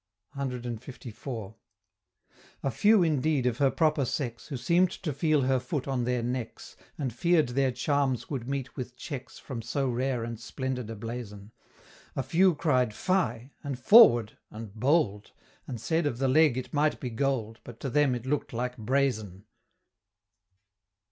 CLIV. A few, indeed, of her proper sex, Who seem'd to feel her foot on their necks, And fear'd their charms would meet with checks From so rare and splendid a blazon A few cried "fie!" and "forward" and "bold!" And said of the Leg it might be gold, But to them it look'd like brazen!